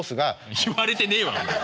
言われてねえわお前。